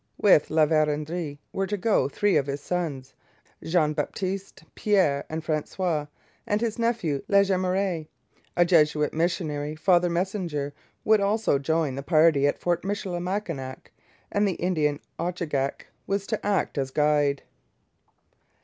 With La Vérendrye were to go three of his sons, Jean Baptiste, Pierre, and François, and his nephew La Jemeraye. A Jesuit missionary, Father Messager, would join the party at Fort Michilimackinac, and the Indian Ochagach was to act as guide.